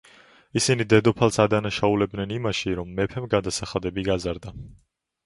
ისინი დედოფალს ადანაშაულებდნენ იმაში, რომ მეფემ გადასახადები გაზარდა.